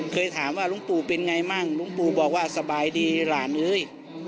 เคยถามว่าหลวงปู่เป็นไงมั่งหลวงปู่บอกว่าสบายดีหลานเอ้ย